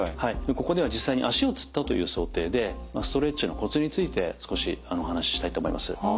ここでは実際に足をつったという想定でストレッチのコツについて少しお話ししたいと思います。